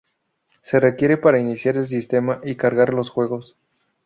Se requiere para iniciar el sistema y cargar los juegos.